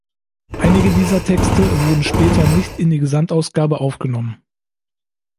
Einige dieser Texte wurden später nicht in die Gesamtausgabe aufgenommen.